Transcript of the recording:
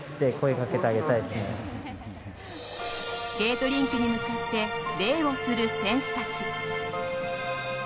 スケートリンクに向かって礼をする選手たち。